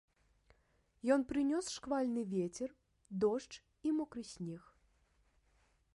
Ён прынёс шквальны вецер, дождж і мокры снег.